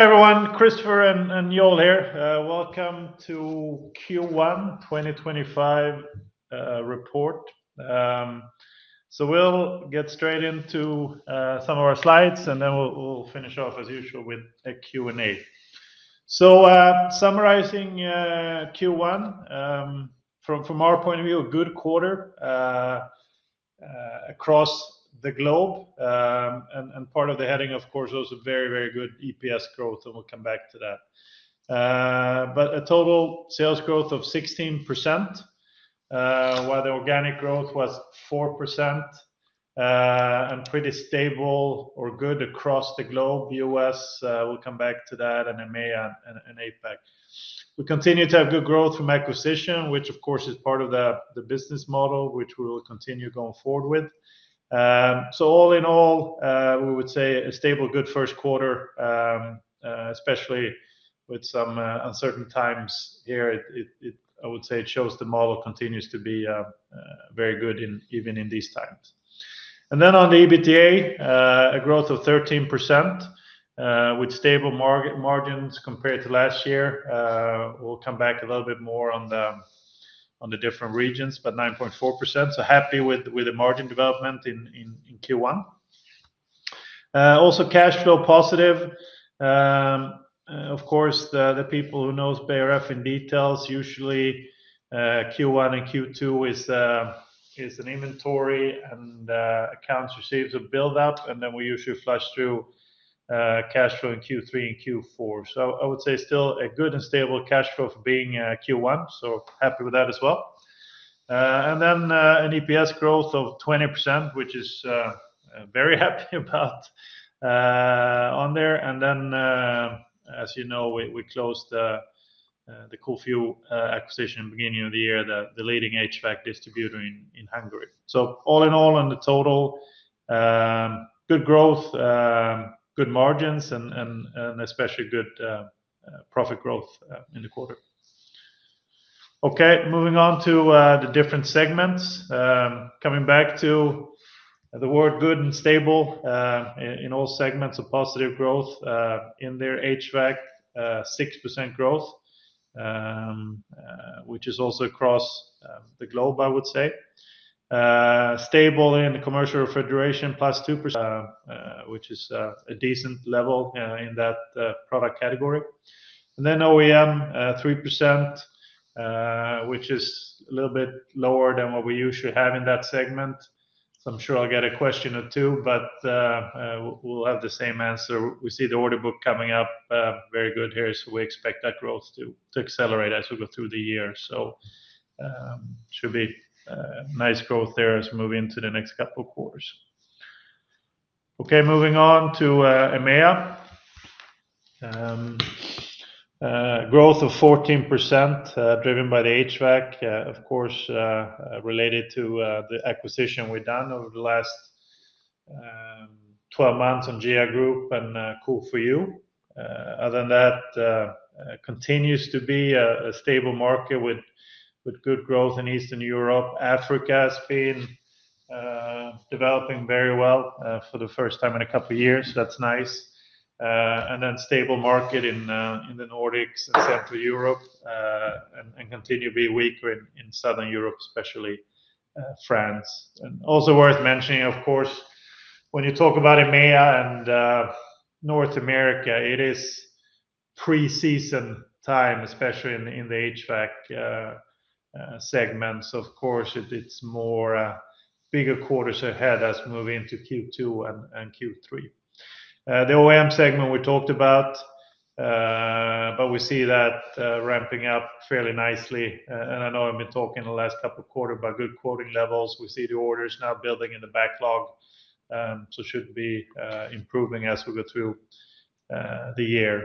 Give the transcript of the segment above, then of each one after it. Hey everyone, Christopher and Joel here. Welcome to Q1 2025 report. We'll get straight into some of our slides, and then we'll finish off as usual with a Q&A. Summarizing Q1, from our point of view, a good quarter across the globe. Part of the heading, of course, was very, very good EPS growth, and we'll come back to that. A total sales growth of 16%, while the organic growth was 4%, and pretty stable or good across the globe, the US, we'll come back to that, and EMEA and APAC. We continue to have good growth from acquisition, which of course is part of the business model, which we will continue going forward with. All in all, we would say a stable, good first quarter, especially with some uncertain times here. I would say it shows the model continues to be very good even in these times. On the EBITDA, a growth of 13% with stable margins compared to last year. We will come back a little bit more on the different regions, but 9.4%. Happy with the margin development in Q1. Also cash flow positive. Of course, the people who know Beijer Ref in details, usually Q1 and Q2 is an inventory and accounts receivables build up, and we usually flush through cash flow in Q3 and Q4. I would say still a good and stable cash flow for being Q1, happy with that as well. An EPS growth of 20%, which is very happy about on there. As you know, we closed the CoolFuel acquisition at the beginning of the year, the leading HVAC distributor in Hungary. All in all, on the total, good growth, good margins, and especially good profit growth in the quarter. Okay, moving on to the different segments. Coming back to the word good and stable in all segments of positive growth in their HVAC, 6% growth, which is also across the globe, I would say. Stable in the commercial refrigeration, +2%. Which is a decent level in that product category. And then OEM, 3%, which is a little bit lower than what we usually have in that segment. I'm sure I'll get a question or two, but we'll have the same answer. We see the order book coming up very good here, so we expect that growth to accelerate as we go through the year. It should be nice growth there as we move into the next couple of quarters. Okay, moving on to EMEA. Growth of 14% driven by the HVAC, of course, related to the acquisition we've done over the last 12 months on GIA Group and Cool4U. Other than that, continues to be a stable market with good growth in Eastern Europe. Africa has been developing very well for the first time in a couple of years. That's nice. It is a stable market in the Nordics and Central Europe and continues to be weaker in Southern Europe, especially France. Also worth mentioning, of course, when you talk about EMEA and North America, it is pre-season time, especially in the HVAC segments. Of course, it's more bigger quarters ahead as we move into Q2 and Q3. The OEM segment we talked about, but we see that ramping up fairly nicely. I know I've been talking in the last couple of quarters about good quoting levels. We see the orders now building in the backlog, so should be improving as we go through the year.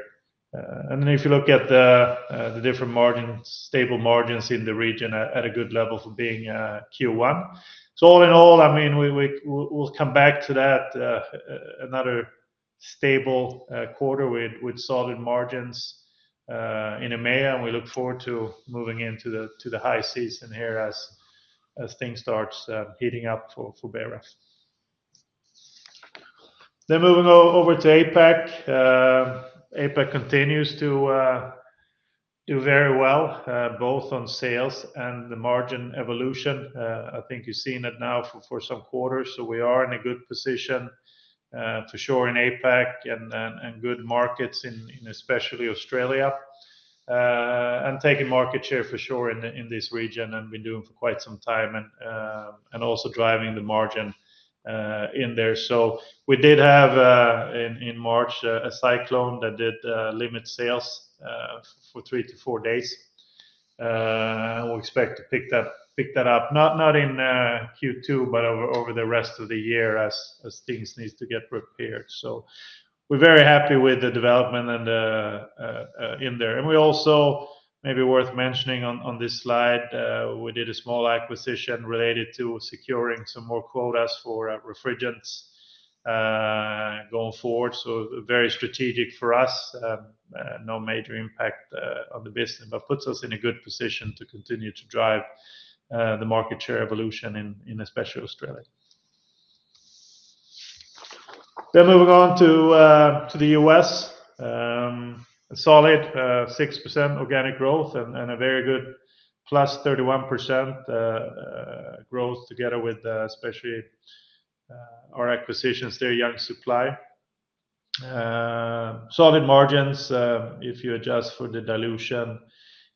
If you look at the different margins, stable margins in the region at a good level for being Q1. All in all, I mean, we'll come back to that, another stable quarter with solid margins in EMEA, and we look forward to moving into the high season here as things start heating up for Beijer Ref. Moving over to APAC. APAC continues to do very well, both on sales and the margin evolution. I think you've seen it now for some quarters. We are in a good position for sure in APAC and good markets in especially Australia. Taking market share for sure in this region and been doing for quite some time and also driving the margin in there. We did have in March a cyclone that did limit sales for 3-4 days. We expect to pick that up, not in Q2, but over the rest of the year as things need to get prepared. We are very happy with the development in there. We also, maybe worth mentioning on this slide, did a small acquisition related to securing some more quotas for refrigerants going forward. Very strategic for us, no major impact on the business, but puts us in a good position to continue to drive the market share evolution, especially in Australia. Moving on to the US, solid 6% organic growth and a very good +31% growth together with especially our acquisitions there, Young Supply. Solid margins if you adjust for the dilution.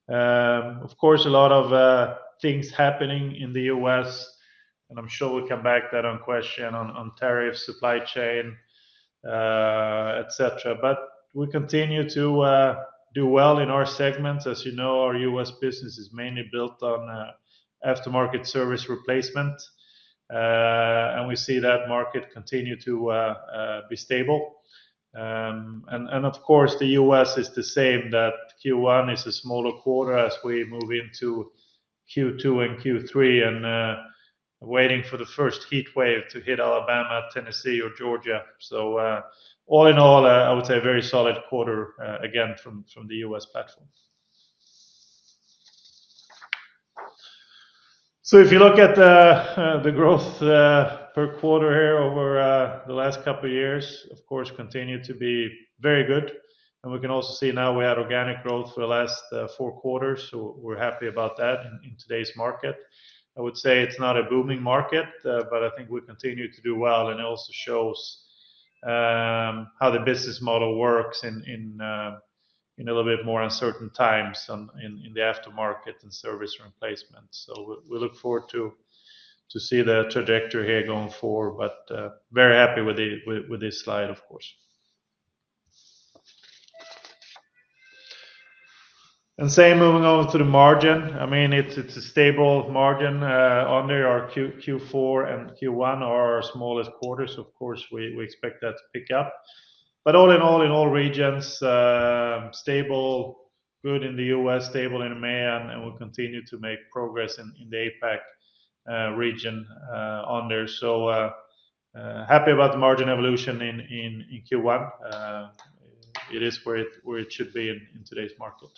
Of course, a lot of things happening in the US, and I'm sure we'll come back to that question on tariffs, supply chain, etc. We continue to do well in our segments. As you know, our US business is mainly built on aftermarket service replacement, and we see that market continue to be stable. Of course, the US is the same, that Q1 is a smaller quarter as we move into Q2 and Q3 and waiting for the first heat wave to hit Alabama, Tennessee, or Georgia. All in all, I would say a very solid quarter again from the US platform. If you look at the growth per quarter here over the last couple of years, of course, continue to be very good. We can also see now we had organic growth for the last four quarters, so we're happy about that in today's market. I would say it's not a booming market, but I think we continue to do well, and it also shows how the business model works in a little bit more uncertain times in the aftermarket and service replacement. We look forward to seeing the trajectory here going forward, but very happy with this slide, of course. Same moving over to the margin. I mean, it's a stable margin under our Q4 and Q1, our smallest quarters. Of course, we expect that to pick up. All in all, in all regions, stable, good in the US, stable in EMEA, and we'll continue to make progress in the APAC region. Happy about the margin evolution in Q1. It is where it should be in today's market.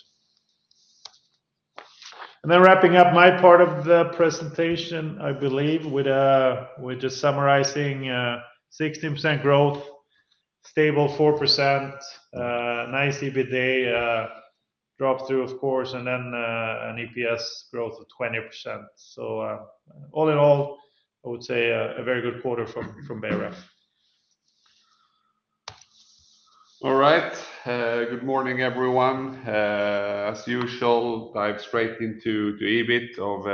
Wrapping up my part of the presentation, I believe, with just summarizing 16% growth, stable 4%, nice EBITDA drop through, of course, and then an EPS growth of 20%. All in all, I would say a very good quarter from Beijer Ref. All right. Good morning, everyone. As usual, dive straight into EBIT of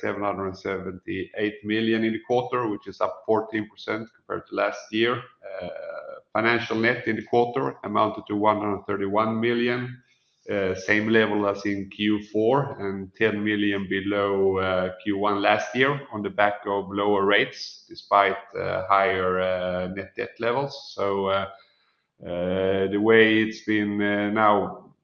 778 million in the quarter, which is up 14% compared to last year. Financial net in the quarter amounted to 131 million, same level as in Q4, and 10 million below Q1 last year on the back of lower rates despite higher net debt levels. The way it's been now,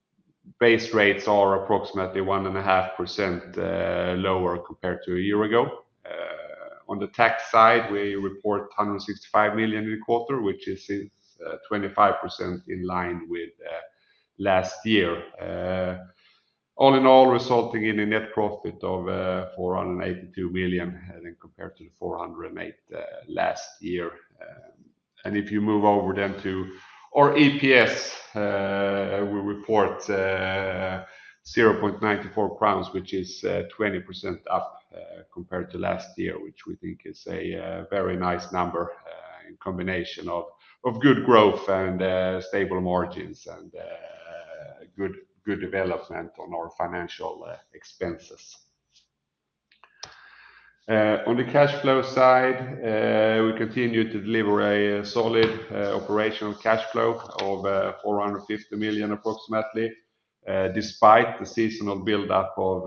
base rates are approximately 1.5% lower compared to a year ago. On the tax side, we report 165 million in the quarter, which is 25% in line with last year. All in all, resulting in a net profit of 482 million compared to the 408 million last year. If you move over then to our EPS, we report 0.94 crowns, which is 20% up compared to last year, which we think is a very nice number in combination of good growth and stable margins and good development on our financial expenses. On the cash flow side, we continue to deliver a solid operational cash flow of 450 million approximately, despite the seasonal build-up of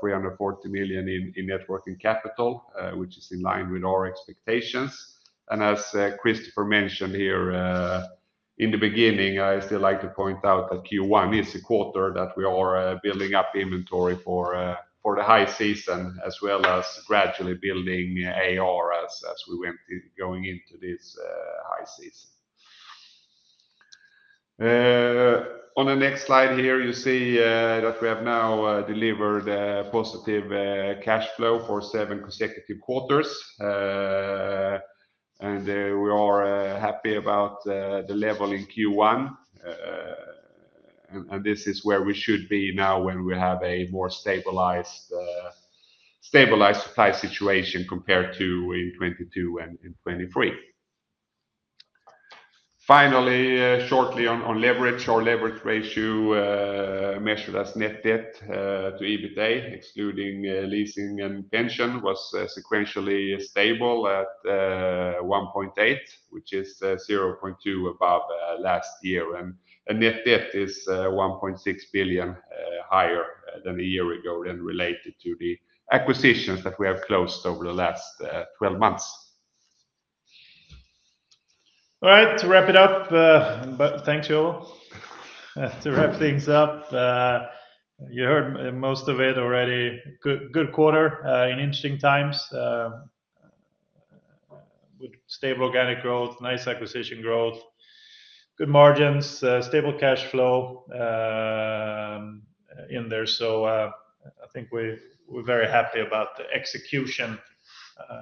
340 million in networking capital, which is in line with our expectations. As Christopher mentioned here in the beginning, I still like to point out that Q1 is a quarter that we are building up inventory for the high season, as well as gradually building AR as we went going into this high season. On the next slide here, you see that we have now delivered positive cash flow for seven consecutive quarters. We are happy about the level in Q1. This is where we should be now when we have a more stabilized supply situation compared to in 2022 and in 2023. Finally, shortly on leverage, our leverage ratio measured as net debt to EBITDA, excluding leasing and pension, was sequentially stable at 1.8, which is 0.2 above last year. Net debt is 1.6 billion higher than a year ago and related to the acquisitions that we have closed over the last 12 months. All right, to wrap it up, but thanks, Joel, to wrap things up. You heard most of it already. Good quarter in interesting times with stable organic growth, nice acquisition growth, good margins, stable cash flow in there. I think we're very happy about the execution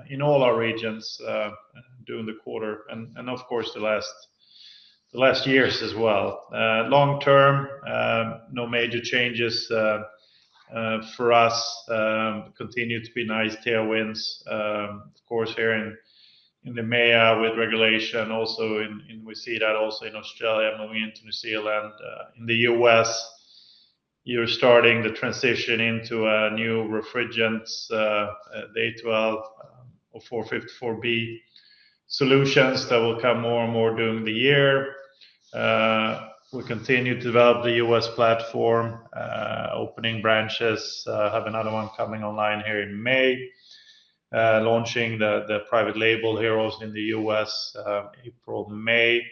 in all our regions during the quarter and, of course, the last years as well. Long term, no major changes for us. Continue to be nice tailwinds, of course, here in EMEA with regulation. We see that also in Australia moving into New Zealand. In the US, you're starting the transition into new refrigerants, day 12 of 454B solutions that will come more and more during the year. We continue to develop the US platform, opening branches. I have another one coming online here in May, launching the private label here also in the US, April, May.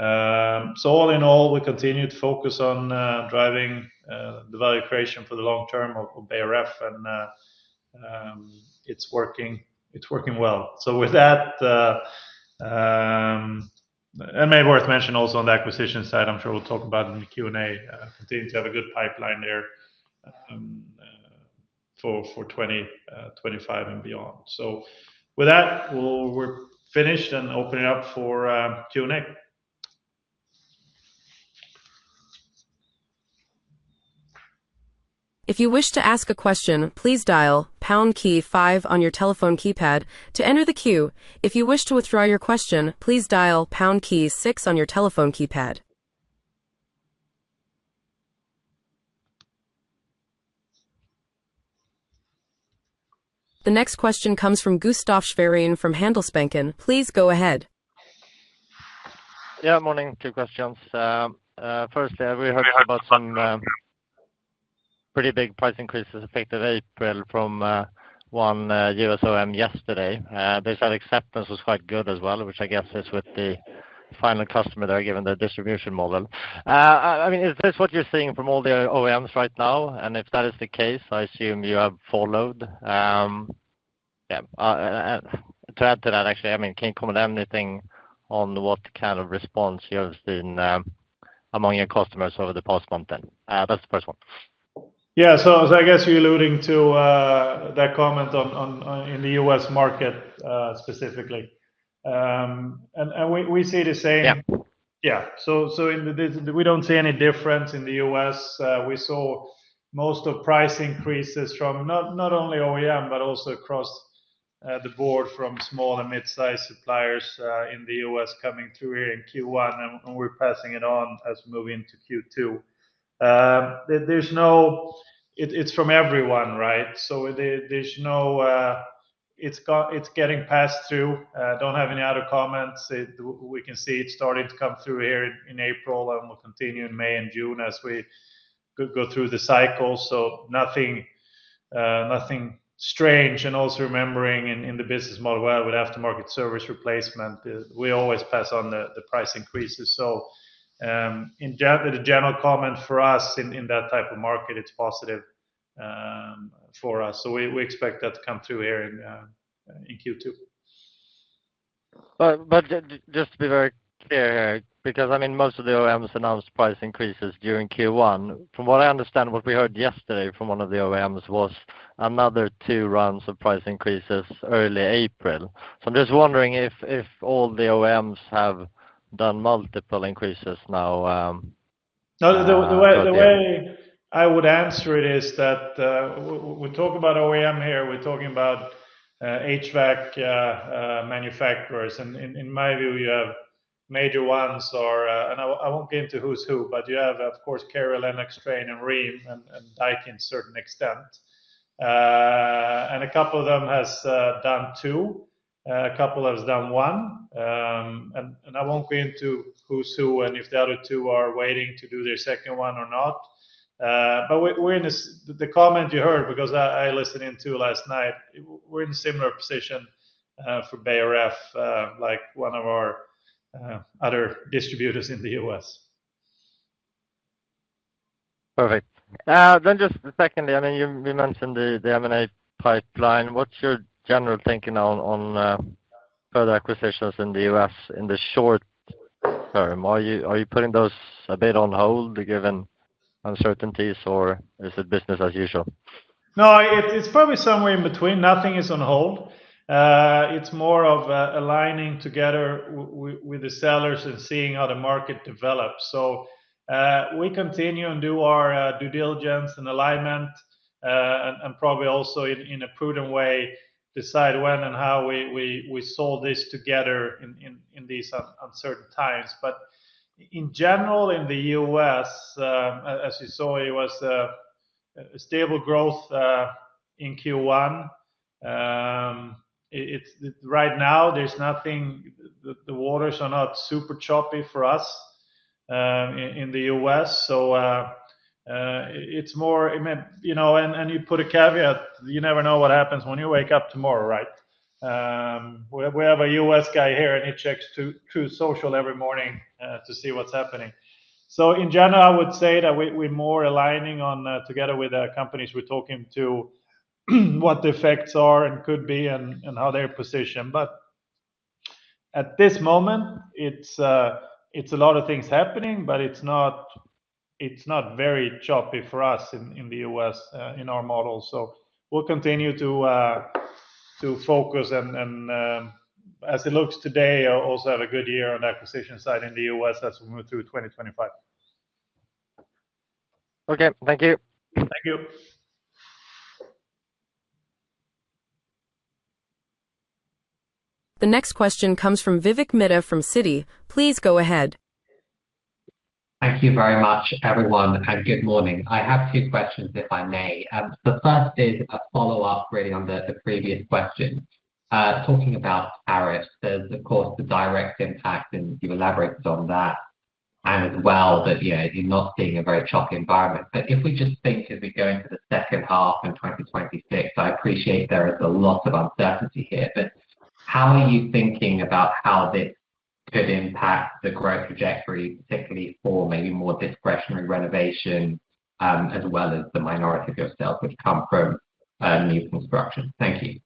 All in all, we continue to focus on driving the value creation for the long term of Beijer Ref, and it's working well. With that, and maybe worth mentioning also on the acquisition side, I'm sure we'll talk about it in the Q&A. Continue to have a good pipeline there for 2025 and beyond. With that, we're finished and opening up for Q&A. If you wish to ask a question, please dial pound key five on your telephone keypad to enter the queue. If you wish to withdraw your question, please dial pound key six on your telephone keypad. The next question comes from Gustaf Schwerin from Handelsbanken. Please go ahead. Yeah, morning, two questions. Firstly, we heard about some pretty big price increases effective April from one US OEM yesterday. They said acceptance was quite good as well, which I guess is with the final customer there given the distribution model. I mean, is this what you're seeing from all the OEMs right now? If that is the case, I assume you have followed. Yeah. To add to that, actually, I mean, can you comment on anything on what kind of response you have seen among your customers over the past month then? That's the first one. Yeah, I guess you're alluding to that comment in the US market specifically. We see the same. Yeah. We don't see any difference in the US. We saw most of the price increases from not only OEM, but also across the board from small and mid-sized suppliers in the US coming through here in Q1, and we're passing it on as we move into Q2. It's from everyone, right? It's getting passed through. I don't have any other comments. We can see it's starting to come through here in April, and it will continue in May and June as we go through the cycle. Nothing strange. Also, remembering in the business model, with aftermarket service replacement, we always pass on the price increases. The general comment for us in that type of market, it's positive for us. We expect that to come through here in Q2. Just to be very clear here, because I mean, most of the OEMs announced price increases during Q1. From what I understand, what we heard yesterday from one of the OEMs was another two runs of price increases early April. I'm just wondering if all the OEMs have done multiple increases now. The way I would answer it is that we talk about OEM here, we're talking about HVAC manufacturers. In my view, you have major ones, and I won't get into who's who, but you have, of course, Carrier, Lennox, Trane, and Rheem, and Daikin to a certain extent. A couple of them have done two. A couple have done one. I won't go into who's who and if the other two are waiting to do their second one or not. The comment you heard, because I listened in too last night, we're in a similar position for Beijer Ref, like one of our other distributors in the US. Perfect. Just secondly, I mean, you mentioned the M&A pipeline. What's your general thinking on further acquisitions in the US in the short term? Are you putting those a bit on hold given uncertainties, or is it business as usual? No, it's probably somewhere in between. Nothing is on hold. It's more of aligning together with the sellers and seeing how the market develops. We continue and do our due diligence and alignment, and probably also in a prudent way decide when and how we solve this together in these uncertain times. In general, in the US, as you saw, it was a stable growth in Q1. Right now, there's nothing, the waters are not super choppy for us in the US. It's more, and you put a caveat, you never know what happens when you wake up tomorrow, right? We have a US guy here, and he checks Truth Social every morning to see what's happening. In general, I would say that we're more aligning together with the companies we're talking to, what the effects are and could be and how they're positioned. At this moment, it's a lot of things happening, but it's not very choppy for us in the US in our model. We will continue to focus, and as it looks today, also have a good year on the acquisition side in the US as we move through 2025. Okay, thank you. Thank you. The next question comes from Vivek Midha from Citi. Please go ahead. Thank you very much, everyone, and good morning. I have two questions, if I may. The first is a follow-up really on the previous question. Talking about tariffs, there is, of course, the direct impact, and you elaborated on that as well, that you are not seeing a very choppy environment. If we just think as we go into the second half in 2026, I appreciate there is a lot of uncertainty here, but how are you thinking about how this could impact the growth trajectory, particularly for maybe more discretionary renovations, as well as the minority of yourself, which come from new construction? Thank you.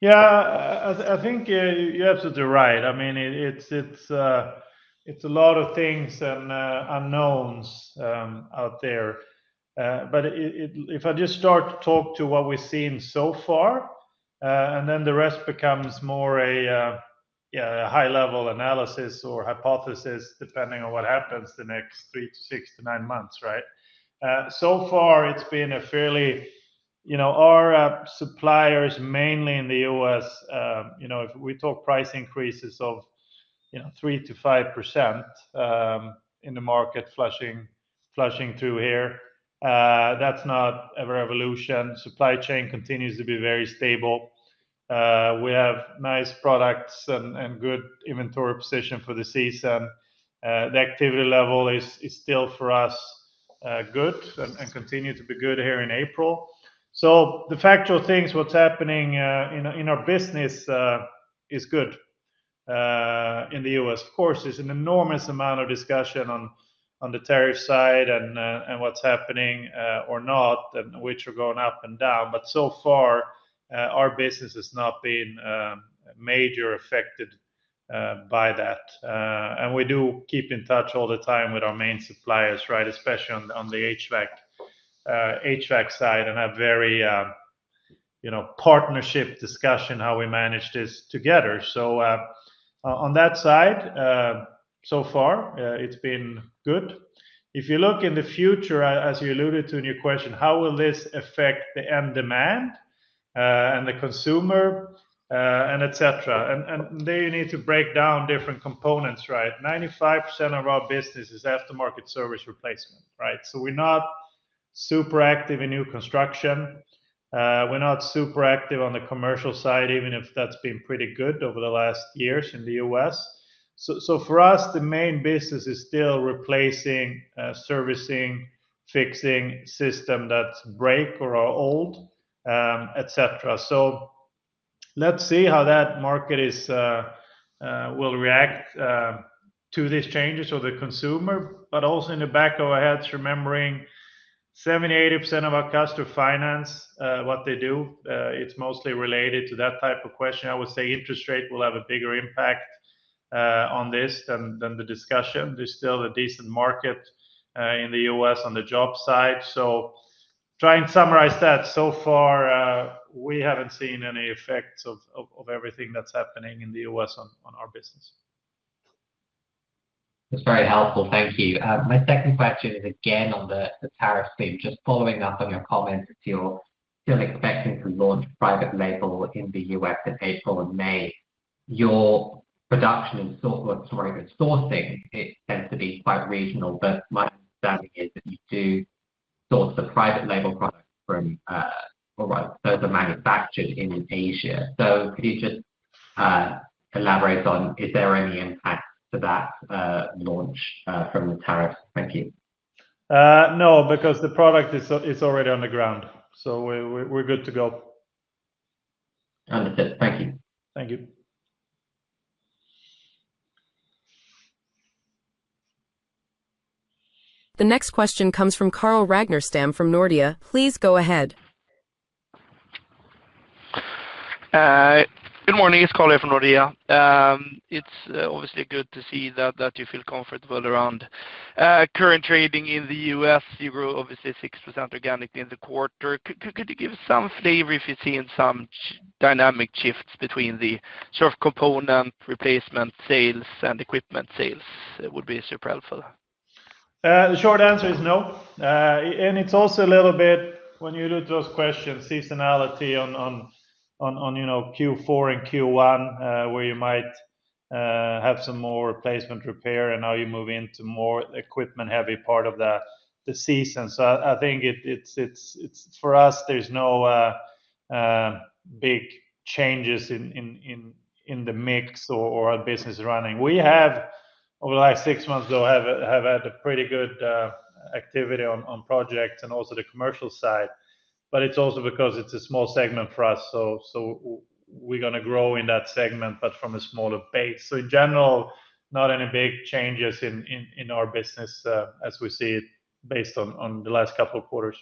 Yeah, I think you're absolutely right. I mean, it's a lot of things and unknowns out there. If I just start to talk to what we've seen so far, and then the rest becomes more a high-level analysis or hypothesis, depending on what happens the next three to six to nine months, right? So far, it's been a fairly our suppliers mainly in the US, if we talk price increases of 3-5% in the market flushing through here, that's not a revolution. Supply chain continues to be very stable. We have nice products and good inventory position for the season. The activity level is still, for us, good and continues to be good here in April. The factual things, what's happening in our business is good in the US. Of course, there's an enormous amount of discussion on the tariff side and what's happening or not, which are going up and down. So far, our business has not been majorly affected by that. We do keep in touch all the time with our main suppliers, right, especially on the HVAC side, and have very partnership discussion how we manage this together. On that side, so far, it's been good. If you look in the future, as you alluded to in your question, how will this affect the end demand and the consumer, and etc.? There you need to break down different components, right? 95% of our business is aftermarket service replacement, right? We're not super active in new construction. We're not super active on the commercial side, even if that's been pretty good over the last years in the US. For us, the main business is still replacing, servicing, fixing systems that break or are old, etc. Let's see how that market will react to these changes of the consumer, but also in the back of our heads, remembering 70%-80% of our customers finance what they do. It's mostly related to that type of question. I would say interest rate will have a bigger impact on this than the discussion. There's still a decent market in the US on the job side. Trying to summarize that, so far, we haven't seen any effects of everything that's happening in the US on our business. That's very helpful. Thank you. My second question is again on the tariff theme. Just following up on your comments, if you're still expecting to launch private label in the US in April and May, your production and sourcing, it tends to be quite regional, but my understanding is that you do source the private label products from or those are manufactured in Asia. Could you just elaborate on, is there any impact to that launch from the tariffs? Thank you. No, because the product is already on the ground. So we're good to go. Understood. Thank you. Thank you. The next question comes from Carl Ragnerstam from Nordea. Please go ahead. Good morning. It's Carl here from Nordea. It's obviously good to see that you feel comfortable around current trading in the US. You grew obviously 6% organically in the quarter. Could you give us some flavor if you've seen some dynamic shifts between the sort of component replacement sales and equipment sales? It would be super helpful. The short answer is no. It is also a little bit when you do those questions, seasonality on Q4 and Q1, where you might have some more replacement repair and now you move into more equipment-heavy part of the season. I think for us, there is no big changes in the mix or our business running. We have, over the last six months, though, had a pretty good activity on projects and also the commercial side. It is also because it is a small segment for us. We are going to grow in that segment, but from a smaller base. In general, not any big changes in our business as we see it based on the last couple of quarters.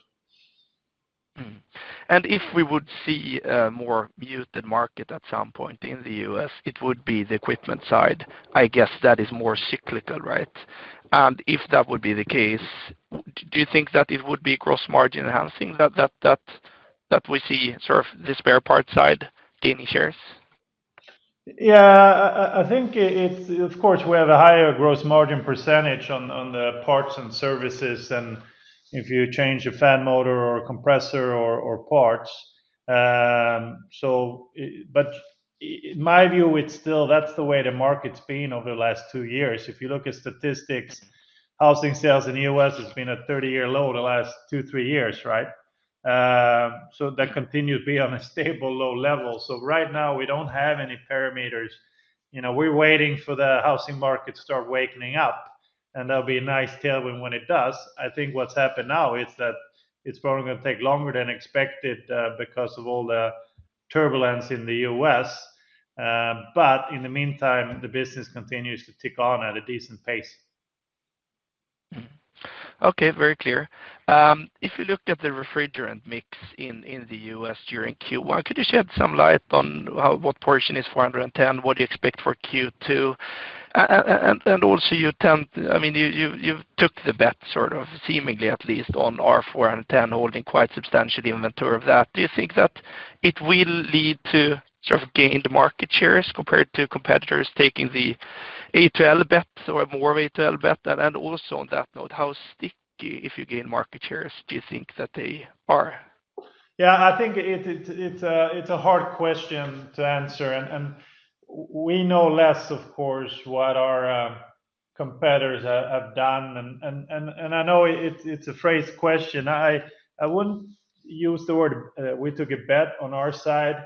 If we would see more news than market at some point in the US, it would be the equipment side. I guess that is more cyclical, right? If that would be the case, do you think that it would be gross margin enhancing that we see sort of this spare part side gaining shares? Yeah, I think, of course, we have a higher gross margin percentage on the parts and services than if you change a fan motor or compressor or parts. In my view, that's the way the market's been over the last two years. If you look at statistics, housing sales in the US has been at a 30-year low the last two, three years, right? That continues to be on a stable low level. Right now, we don't have any parameters. We're waiting for the housing market to start wakening up, and that'll be a nice tailwind when it does. I think what's happened now is that it's probably going to take longer than expected because of all the turbulence in the US. In the meantime, the business continues to tick on at a decent pace. Okay, very clear. If you looked at the refrigerant mix in the US during Q1, could you shed some light on what portion is 410? What do you expect for Q2? Also, you tend, I mean, you took the bet sort of seemingly at least on 410 holding quite substantial inventory of that. Do you think that it will lead to sort of gained market shares compared to competitors taking the A2L bet or more A2L bet? Also on that note, how sticky, if you gain, market shares do you think that they are? Yeah, I think it's a hard question to answer. We know less, of course, what our competitors have done. I know it's a phrased question. I wouldn't use the word we took a bet on our side.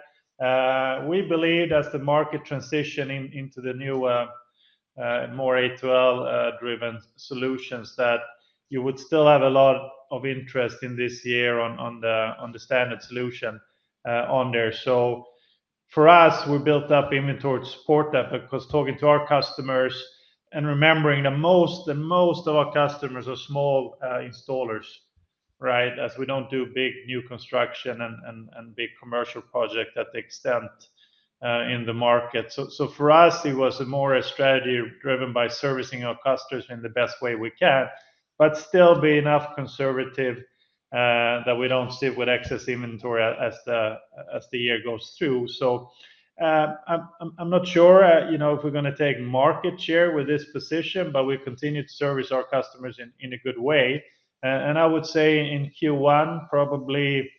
We believe as the market transitioning into the new more A2L-driven solutions that you would still have a lot of interest in this year on the standard solution on there. For us, we built up inventory to support that because talking to our customers and remembering that most of our customers are small installers, right, as we don't do big new construction and big commercial projects that extend in the market. For us, it was more a strategy driven by servicing our customers in the best way we can, but still be enough conservative that we don't sit with excess inventory as the year goes through. I'm not sure if we're going to take market share with this position, but we continue to service our customers in a good way. I would say in Q1, probably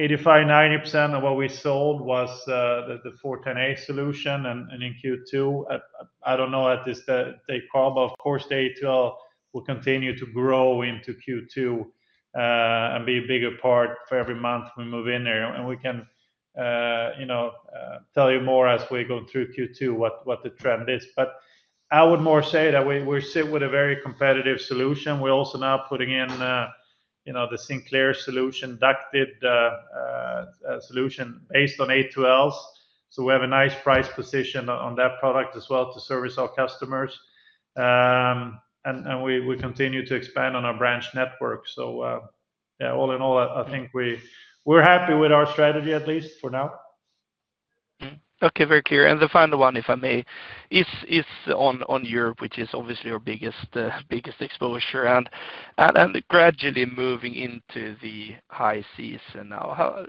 85%-90% of what we sold was the 410A solution. In Q2, I don't know at this day, Carl, but of course, the A2L will continue to grow into Q2 and be a bigger part for every month we move in there. We can tell you more as we go through Q2 what the trend is. I would more say that we sit with a very competitive solution. We're also now putting in the Sinclair solution, ducted solution based on A2Ls. We have a nice price position on that product as well to service our customers. We continue to expand on our branch network. Yeah, all in all, I think we're happy with our strategy at least for now. Okay, very clear. The final one, if I may, is on Europe, which is obviously our biggest exposure and gradually moving into the high season. I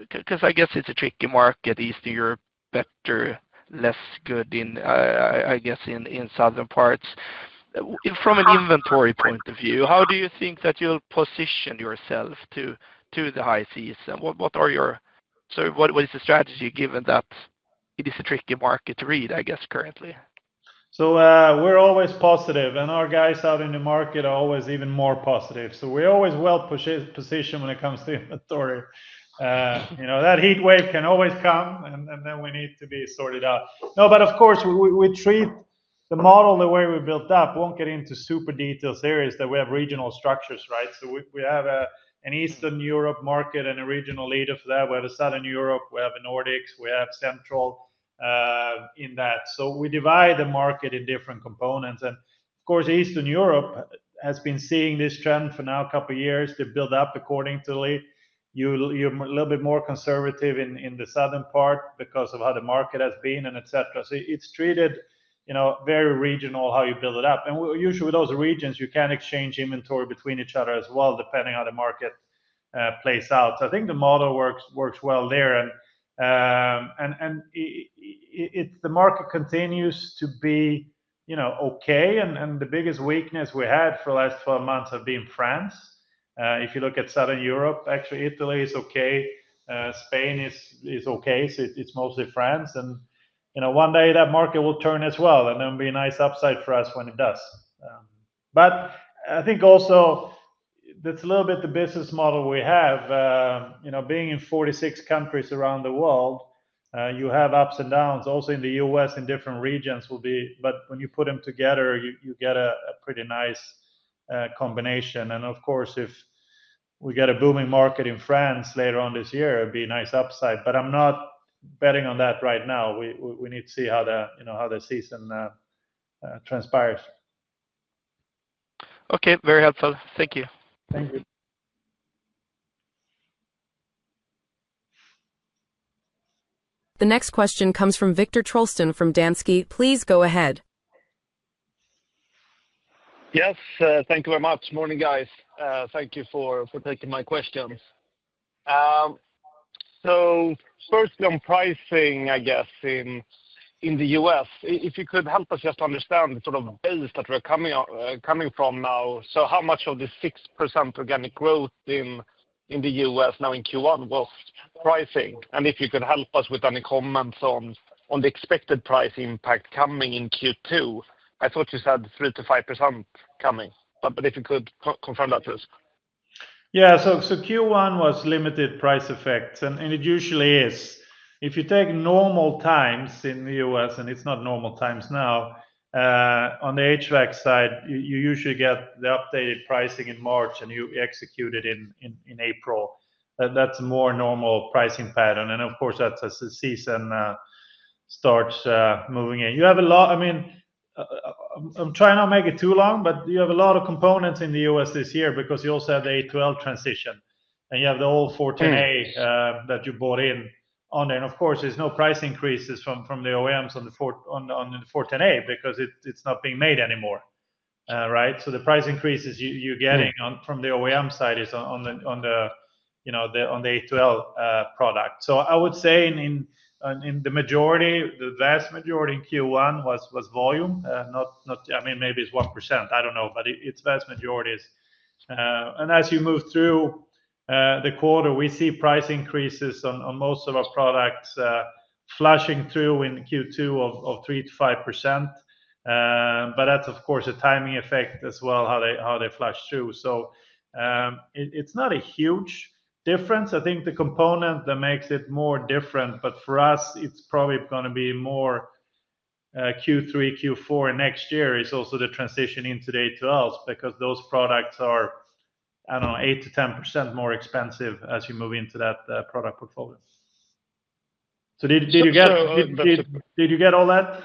guess it's a tricky market, Eastern Europe better, less good, I guess, in southern parts. From an inventory point of view, how do you think that you'll position yourself to the high season? What are your, so what is the strategy given that it is a tricky market to read, I guess, currently? We're always positive, and our guys out in the market are always even more positive. We're always well positioned when it comes to inventory. That heat wave can always come, and then we need to be sorted out. No, but of course, we treat the model the way we built up. We won't get into super detailed theories that we have regional structures, right? We have an Eastern Europe market and a regional leadership there. We have a Southern Europe, we have the Nordics, we have Central in that. We divide the market in different components. Of course, Eastern Europe has been seeing this trend for now a couple of years to build up accordingly. You're a little bit more conservative in the southern part because of how the market has been and etc. It's treated very regional how you build it up. Usually with those regions, you can exchange inventory between each other as well, depending on how the market plays out. I think the model works well there. The market continues to be okay. The biggest weakness we had for the last 12 months has been France. If you look at Southern Europe, actually Italy is okay. Spain is okay. It is mostly France. One day that market will turn as well, and there will be a nice upside for us when it does. I think also that is a little bit the business model we have. Being in 46 countries around the world, you have ups and downs. Also in the US, in different regions will be, but when you put them together, you get a pretty nice combination. Of course, if we get a booming market in France later on this year, it'd be a nice upside. I'm not betting on that right now. We need to see how the season transpires. Okay, very helpful. Thank you. Thank you. The next question comes from Viktor Trollsten from Danske. Please go ahead. Yes, thank you very much. Morning, guys. Thank you for taking my questions. First on pricing, I guess, in the US, if you could help us just understand the sort of base that we're coming from now. How much of the 6% organic growth in the US now in Q1 was pricing? If you could help us with any comments on the expected price impact coming in Q2. I thought you said 3%-5% coming. If you could confirm that, please. Yeah, Q1 was limited price effects, and it usually is. If you take normal times in the US, and it's not normal times now, on the HVAC side, you usually get the updated pricing in March, and you execute it in April. That's a more normal pricing pattern. Of course, that's as the season starts moving in. You have a lot, I mean, I'm trying not to make it too long, but you have a lot of components in the US this year because you also have the A2L transition, and you have the old 410A that you bought in on there. Of course, there's no price increases from the OEMs on the 410A because it's not being made anymore, right? The price increases you're getting from the OEM side is on the A2L product. I would say in the majority, the vast majority in Q1 was volume. I mean, maybe it's 1%. I don't know, but its vast majority is. As you move through the quarter, we see price increases on most of our products flashing through in Q2 of 3%-5%. That's, of course, a timing effect as well how they flash through. It's not a huge difference. I think the component that makes it more different, but for us, it's probably going to be more Q3, Q4 next year is also the transition into the A2Ls because those products are, I don't know, 8%-10% more expensive as you move into that product portfolio. Did you get all that?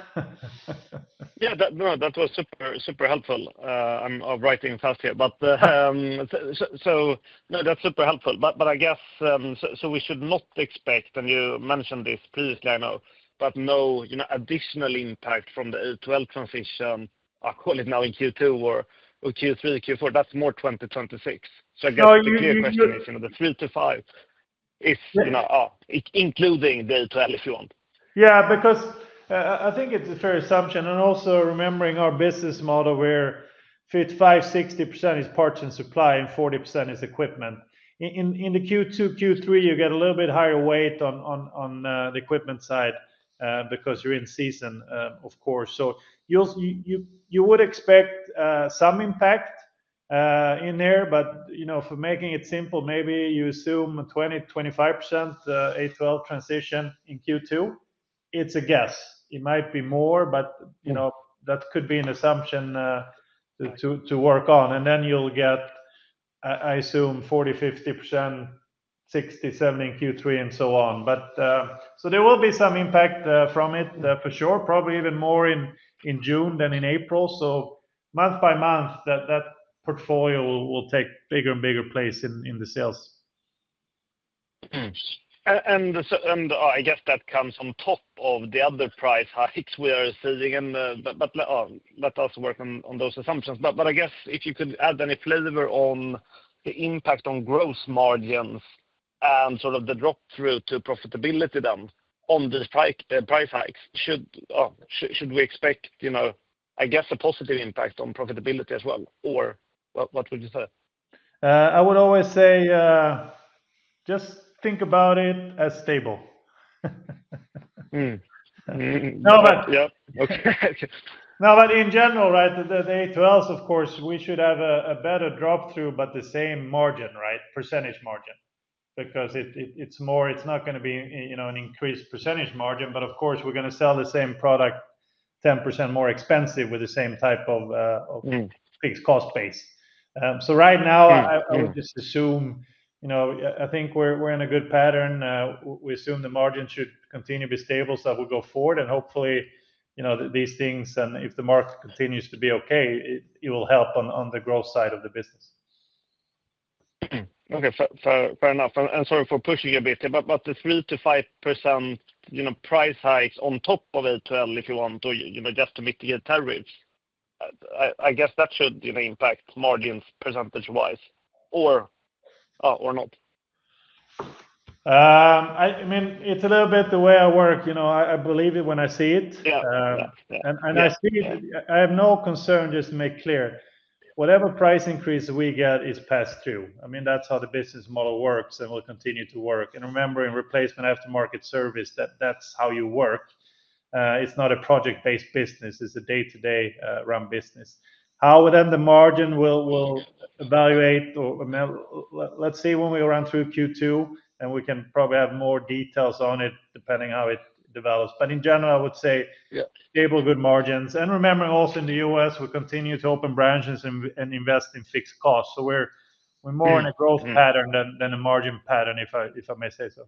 Yeah, no, that was super helpful. I'm writing fast here. No, that's super helpful. I guess we should not expect, and you mentioned this previously, I know, no additional impact from the A2L transition, call it now in Q2 or Q3, Q4, that's more 2026. I guess the clear question is the 3-5 is including the A2L if you want. Yeah, because I think it's a fair assumption. Also remembering our business model where 50%-60% is parts and supply and 40% is equipment. In the Q2, Q3, you get a little bit higher weight on the equipment side because you're in season, of course. You would expect some impact in there. For making it simple, maybe you assume 20%-25% A2L transition in Q2. It's a guess. It might be more, but that could be an assumption to work on. You will get, I assume, 40%-50%, 60%-70% in Q3 and so on. There will be some impact from it for sure, probably even more in June than in April. Month by month, that portfolio will take bigger and bigger place in the sales. I guess that comes on top of the other price hikes we are seeing. Let us work on those assumptions. I guess if you could add any flavor on the impact on gross margins and sort of the drop through to profitability on the price hikes, should we expect, I guess, a positive impact on profitability as well? What would you say? I would always say just think about it as stable. Now that in general, right, the A2Ls, of course, we should have a better drop through, but the same margin, right, percentage margin. Because it's not going to be an increased percentage margin, but of course, we're going to sell the same product 10% more expensive with the same type of fixed cost base. Right now, I would just assume I think we're in a good pattern. We assume the margin should continue to be stable, we will go forward. Hopefully, these things, and if the market continues to be okay, it will help on the growth side of the business. Okay, fair enough. Sorry for pushing a bit, but the 3%-5% price hikes on top of A12, if you want to just to mitigate tariffs, I guess that should impact margins percentage-wise or not? I mean, it's a little bit the way I work. I believe it when I see it. I have no concern, just to make clear. Whatever price increase we get is passed through. I mean, that's how the business model works and will continue to work. Remember, in replacement aftermarket service, that's how you work. It's not a project-based business. It's a day-to-day run business. How then the margin will evaluate? Let's see when we run through Q2, and we can probably have more details on it depending on how it develops. In general, I would say stable, good margins. Remember, also in the US, we continue to open branches and invest in fixed costs. We're more in a growth pattern than a margin pattern, if I may say so.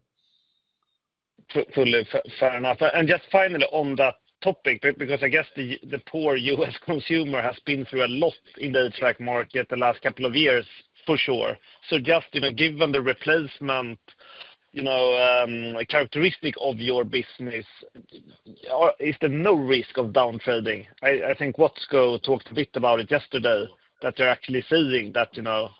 Fair enough. Just finally on that topic, because I guess the poor US consumer has been through a lot in the HVAC market the last couple of years for sure. Just given the replacement characteristic of your business, is there no risk of downtrading? I think Watsco talked a bit about it yesterday, that you're actually seeing that enough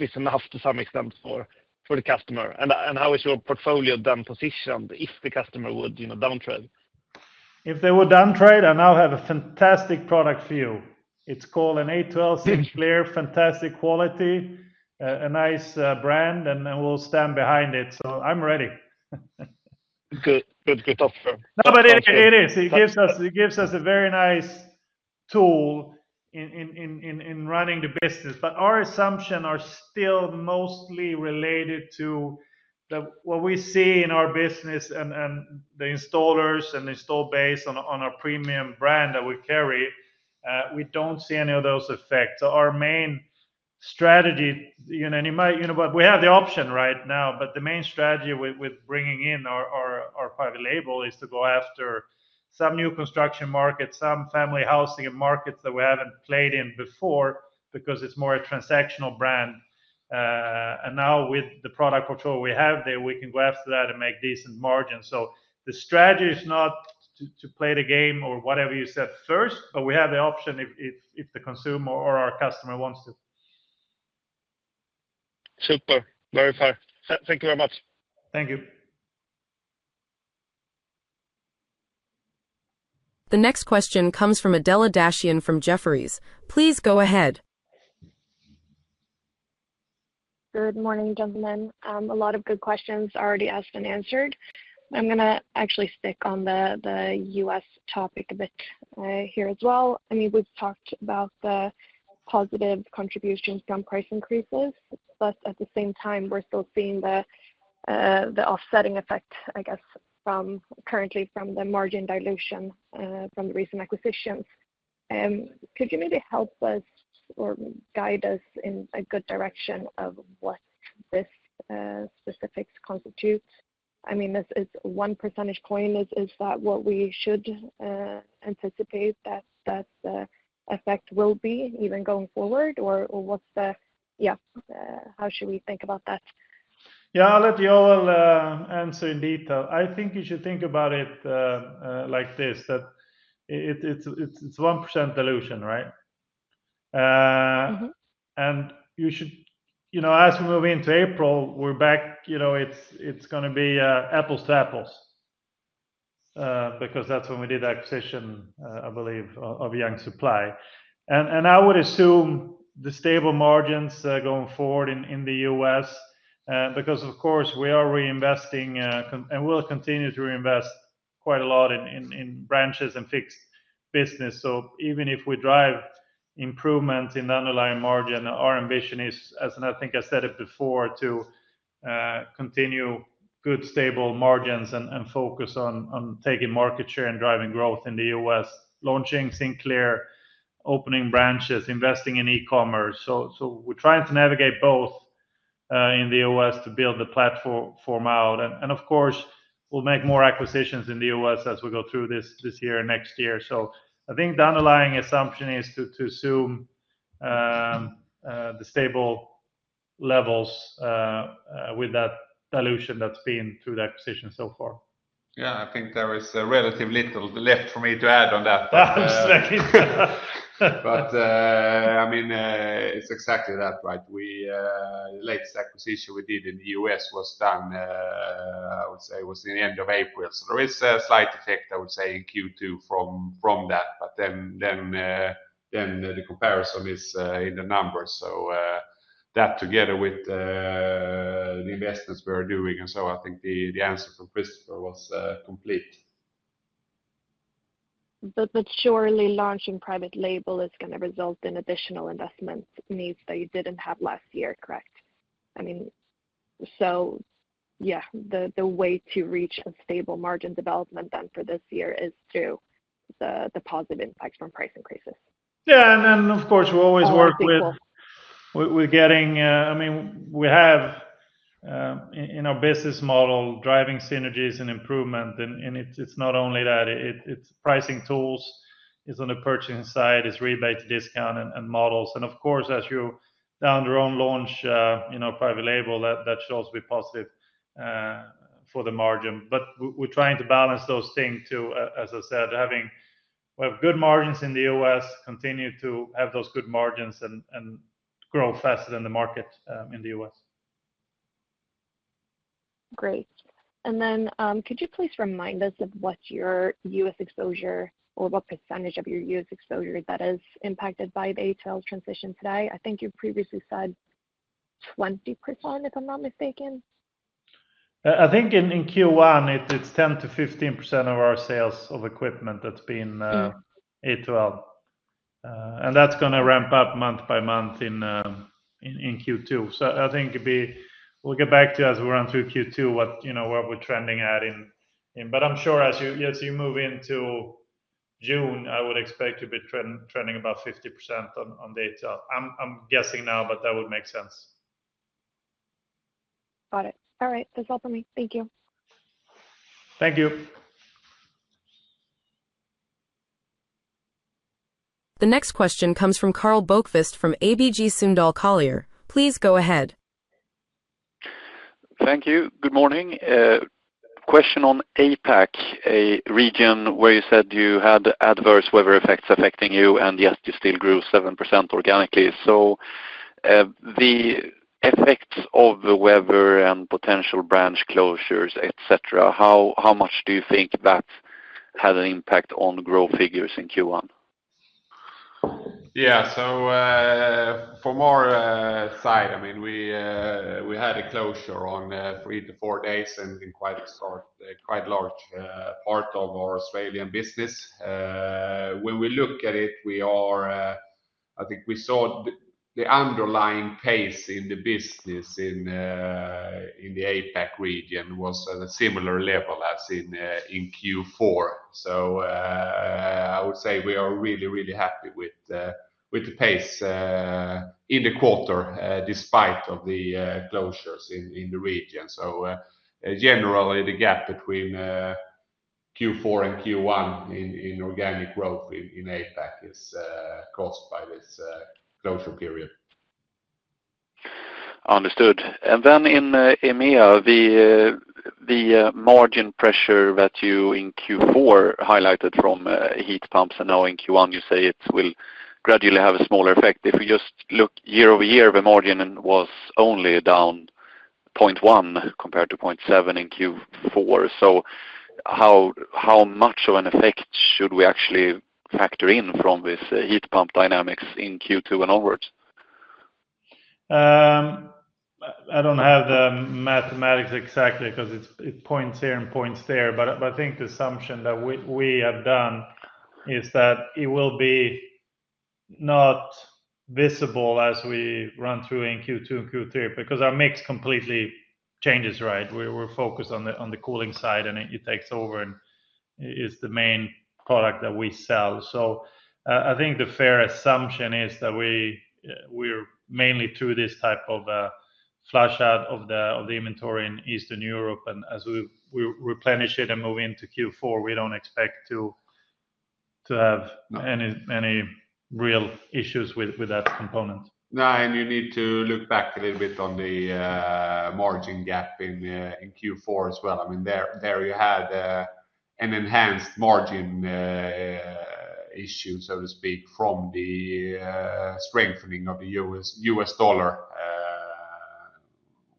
is enough to some extent for the customer. How is your portfolio then positioned if the customer would downtrade? If they would downtrade, I now have a fantastic product for you. It's called an A2L Sinclair, fantastic quality, a nice brand, and we'll stand behind it. I'm ready. Good, good offer. No, but it is. It gives us a very nice tool in running the business. Our assumptions are still mostly related to what we see in our business and the installers and the install base on our premium brand that we carry. We do not see any of those effects. Our main strategy, and you might, but we have the option right now. The main strategy with bringing in our private label is to go after some new construction markets, some family housing markets that we have not played in before because it is more a transactional brand. Now with the product portfolio we have there, we can go after that and make decent margins. The strategy is not to play the game or whatever you said first, but we have the option if the consumer or our customer wants to. Super. Very fair. Thank you very much. Thank you. The next question comes from Adela Dashian from Jefferies. Please go ahead. Good morning, gentlemen. A lot of good questions already asked and answered. I'm going to actually stick on the US topic a bit here as well. I mean, we've talked about the positive contributions from price increases, but at the same time, we're still seeing the offsetting effect, I guess, currently from the margin dilution from the recent acquisitions. Could you maybe help us or guide us in a good direction of what this specifics constitute? I mean, this is one percentage point. Is that what we should anticipate that that effect will be even going forward? Or what's the, yeah, how should we think about that? Yeah, I'll let you all answer in detail. I think you should think about it like this, that it's 1% dilution, right? As we move into April, we're back, it's going to be apples to apples because that's when we did the acquisition, I believe, of Young Supply. I would assume the stable margins going forward in the US because, of course, we are reinvesting and will continue to reinvest quite a lot in branches and fixed business. Even if we drive improvements in the underlying margin, our ambition is, as I think I said it before, to continue good stable margins and focus on taking market share and driving growth in the US, launching Sinclair, opening branches, investing in e-commerce. We are trying to navigate both in the US to build the platform out. Of course, we'll make more acquisitions in the US as we go through this year and next year. I think the underlying assumption is to assume the stable levels with that dilution that's been through the acquisition so far. Yeah, I think there is relatively little left for me to add on that. I mean, it's exactly that, right? The latest acquisition we did in the US was done, I would say it was in the end of April. There is a slight effect, I would say, in Q2 from that. The comparison is in the numbers. That together with the investments we're doing. I think the answer from Christopher was complete. Surely launching private label is going to result in additional investment needs that you didn't have last year, correct? I mean, yeah, the way to reach a stable margin development then for this year is through the positive impact from price increases. Yeah, and of course, we always work with getting, I mean, we have in our business model driving synergies and improvement. It's not only that. It's pricing tools, it's on the purchasing side, it's rebate, discount, and models. Of course, as you down your own launch private label, that should also be positive for the margin. We're trying to balance those things too, as I said, having good margins in the US, continue to have those good margins and grow faster than the market in the US. Great. Could you please remind us of what your US exposure or what percentage of your US exposure that is impacted by the A2L transition today? I think you previously said 20%, if I'm not mistaken. I think in Q1, it's 10%-15% of our sales of equipment that's been A2L. That's going to ramp up month by month in Q2. I think we'll get back to you as we run through Q2 what we're trending at. I'm sure as you move into June, I would expect to be trending about 50% on A2L. I'm guessing now, but that would make sense. Got it. All right. That's all for me. Thank you. Thank you. The next question comes from Karl Bokvist from ABG Sundal Collier. Please go ahead. Thank you. Good morning. Question on APAC, a region where you said you had adverse weather effects affecting you, and yes, you still grew 7% organically. The effects of the weather and potential branch closures, etc., how much do you think that had an impact on growth figures in Q1? Yeah, so for my side, I mean, we had a closure on three to four days in quite a large part of our Australian business. When we look at it, I think we saw the underlying pace in the business in the APAC region was at a similar level as in Q4. I would say we are really, really happy with the pace in the quarter despite the closures in the region. Generally, the gap between Q4 and Q1 in organic growth in APAC is caused by this closure period. Understood. In EMEA, the margin pressure that you in Q4 highlighted from heat pumps and now in Q1, you say it will gradually have a smaller effect. If we just look year over year, the margin was only down 0.1 compared to 0.7 in Q4. How much of an effect should we actually factor in from this heat pump dynamics in Q2 and onwards? I don't have the mathematics exactly because it points here and points there. I think the assumption that we have done is that it will be not visible as we run through in Q2 and Q3 because our mix completely changes, right? We're focused on the cooling side and it takes over and is the main product that we sell. I think the fair assumption is that we're mainly through this type of flush out of the inventory in Eastern Europe. As we replenish it and move into Q4, we don't expect to have any real issues with that component. No, and you need to look back a little bit on the margin gap in Q4 as well. I mean, there you had an enhanced margin issue, so to speak, from the strengthening of the US dollar,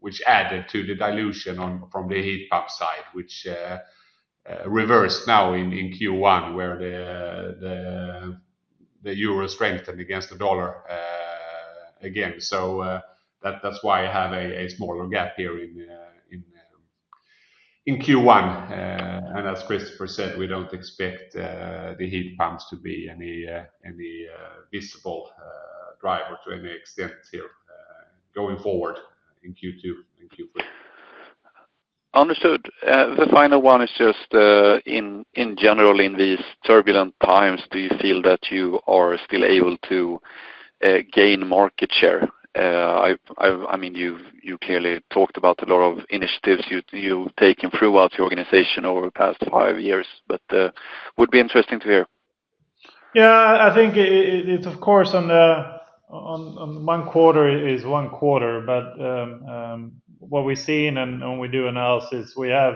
which added to the dilution from the heat pump side, which reversed now in Q1 where the euro strengthened against the dollar again. That is why I have a smaller gap here in Q1. As Christopher said, we do not expect the heat pumps to be any visible driver to any extent here going forward in Q2 and Q3. Understood. The final one is just in general, in these turbulent times, do you feel that you are still able to gain market share? I mean, you clearly talked about a lot of initiatives you've taken throughout your organization over the past five years, but it would be interesting to hear. Yeah, I think it's, of course, one quarter is one quarter. What we see and when we do analysis, we have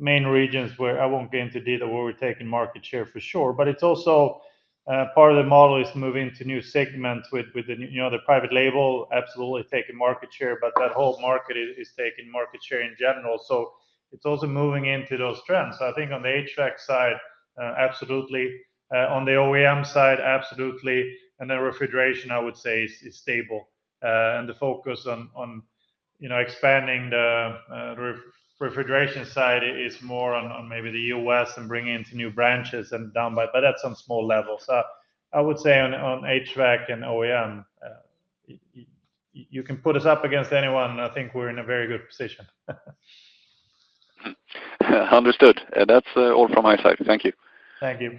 main regions where I won't get into detail where we're taking market share for sure. It's also part of the model is moving to new segments with the private label absolutely taking market share, but that whole market is taking market share in general. It's also moving into those trends. I think on the HVAC side, absolutely. On the OEM side, absolutely. Refrigeration, I would say, is stable. The focus on expanding the refrigeration side is more on maybe the US and bringing into new branches and down by, but that's on small levels. I would say on HVAC and OEM, you can put us up against anyone. I think we're in a very good position. Understood. That's all from my side. Thank you. Thank you.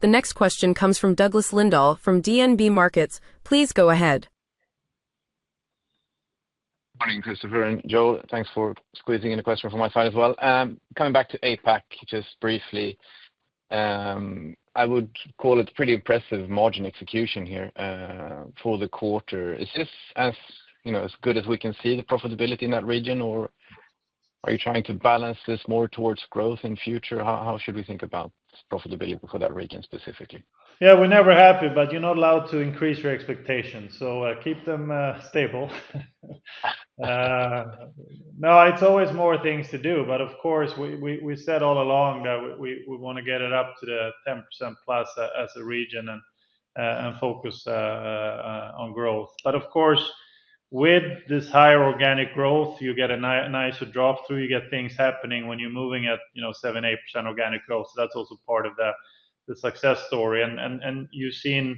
The next question comes from Douglas Lindahl from DNB Markets. Please go ahead. Morning, Christopher and Joel. Thanks for squeezing in a question from my side as well. Coming back to APAC just briefly, I would call it pretty impressive margin execution here for the quarter. Is this as good as we can see the profitability in that region, or are you trying to balance this more towards growth in future? How should we think about profitability for that region specifically? Yeah, we're never happy, but you're not allowed to increase your expectations. Keep them stable. No, it's always more things to do. Of course, we said all along that we want to get it up to the 10%+ as a region and focus on growth. Of course, with this higher organic growth, you get a nicer drop through. You get things happening when you're moving at 7%-8% organic growth. That's also part of the success story. You've seen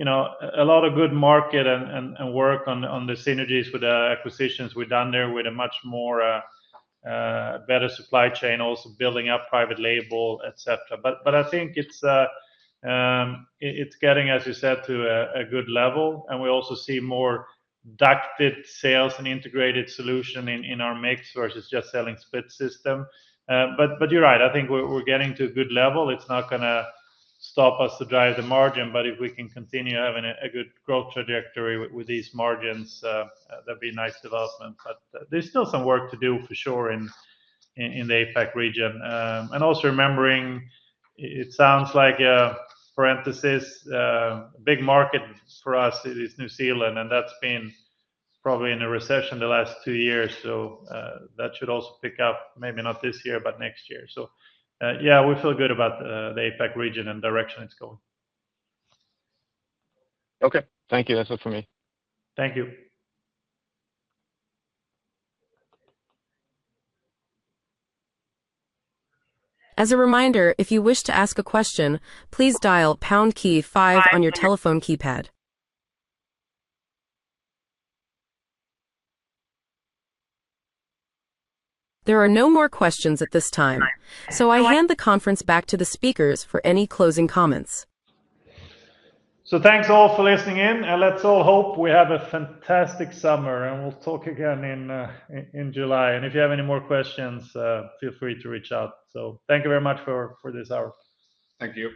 a lot of good market and work on the synergies with the acquisitions we've done there with a much better supply chain, also building up private label, etc. I think it's getting, as you said, to a good level. We also see more ducted sales and integrated solution in our mix versus just selling split system. You're right. I think we're getting to a good level. It's not going to stop us to drive the margin. If we can continue having a good growth trajectory with these margins, that'd be a nice development. There's still some work to do for sure in the APAC region. Also remembering, it sounds like a parenthesis, a big market for us is New Zealand, and that's been probably in a recession the last two years. That should also pick up, maybe not this year, but next year. Yeah, we feel good about the APAC region and direction it's going. Okay. Thank you. That's it for me. Thank you. As a reminder, if you wish to ask a question, please dial pound key five on your telephone keypad. There are no more questions at this time. I hand the conference back to the speakers for any closing comments. Thanks all for listening in. Let's all hope we have a fantastic summer and we'll talk again in July. If you have any more questions, feel free to reach out. Thank you very much for this hour. Thank you.